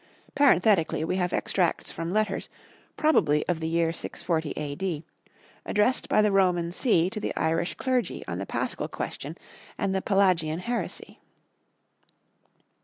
Parenthetically we have extracts from letters, probably of the year 640 A.D., addressed by the Roman see to the Irish clergy on the Paschal question and the Pelagian heresy.